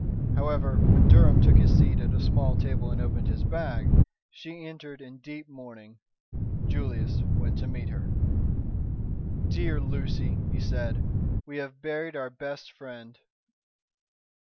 However, when Durham took his seat at a small table and opened his bag, she entered in deep mourning. Julius went to meet her. "Dear Lucy," he said, "we have buried our best friend."